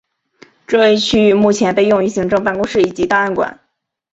这一区域目前被用于行政办公室及档案馆。